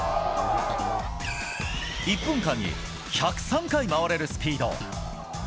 １分間に１０３回回れるスピード。